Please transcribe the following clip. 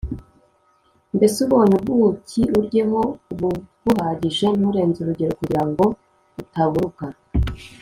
mbese ubonye ubuki’uryeho ubuguhagije, nturenze urugero kugira ngo utaburuka